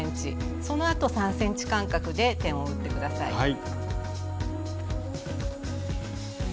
そのあと３ｃｍ間隔で点を打って下さい。